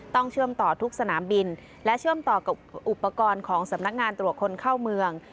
เชื่อมต่อทุกสนามบินและเชื่อมต่อกับอุปกรณ์ของสำนักงานตรวจคนเข้าเมือง